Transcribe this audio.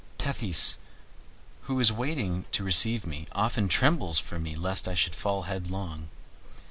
Tethys, who is waiting to receive me, often trembles for me lest I should fall headlong.